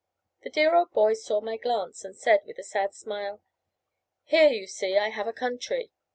The dear old boy saw my glance, and said, with a sad smile, "Here, you see, I have a country!"